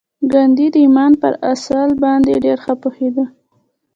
ګاندي د ایمان پر اصل باندې ډېر ښه پوهېده